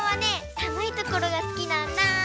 さむいところがすきなんだ。